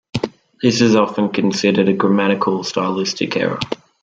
This is often considered a grammatical or stylistic error.